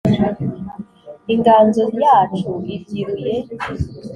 inganzo yacu ibyiruye,